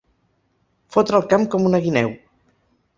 Fotre el camp com una guineu.